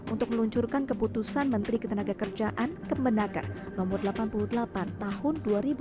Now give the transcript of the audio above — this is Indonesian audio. untuk meluncurkan keputusan menteri ketenaga kerjaan kemenaka no delapan puluh delapan tahun dua ribu dua puluh